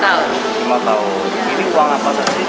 lima tahun ini uang apa